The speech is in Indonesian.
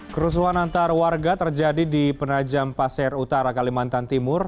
kerusuhan antar warga terjadi di penajam pasir utara kalimantan timur